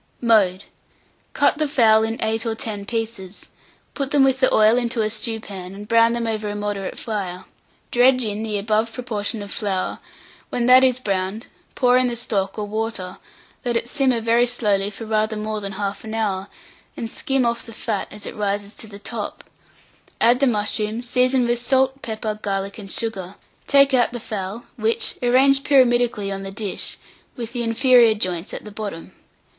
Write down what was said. Mode. Cut the fowl into 8 or 10 pieces; put them with the oil into a stewpan, and brown them over a moderate fire; dredge in the above proportion of flour; when that is browned, pour in the stock or water; let it simmer very slowly for rather more than 1/2 hour, and skim off the fat as it rises to the top; add the mushrooms; season with salt, pepper, garlic, and sugar; take out the fowl, which arrange pyramidically on the dish, with the inferior joints at the bottom.